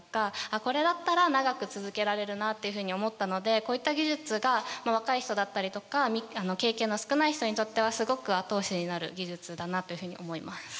これだったら長く続けられるなっていうふうに思ったのでこういった技術が若い人だったりとか経験の少ない人にとってはすごく後押しになる技術だなというふうに思います。